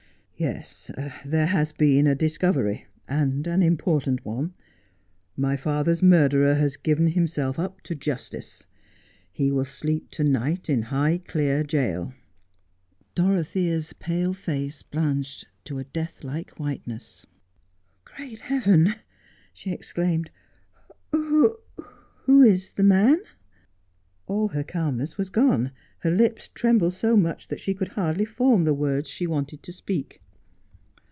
' Yes, there has been a discovery, and an important one. My father's murderer has given himself up to justice. He will sleep to night in Highclere jail.' Dorothea's pale face blanched to a death like whiteness. ' Great Heaven !' she exclaimed, ' who — who — is the man ?' All her calmness was gone — her lips trembled so much that she could hardly form the words she wanted to speak.